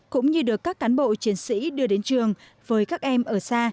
cũng như được các cán bộ chiến sĩ đưa đến trường với các em ở xa